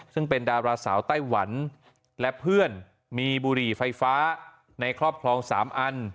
ซึ่งเป็นดาราสาวไต้หวันและเพื่อนมีบุหรี่ไฟฟ้าในครอบครอง๓อัน